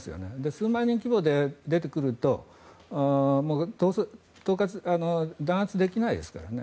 数万人規模で出てくると弾圧できないですからね。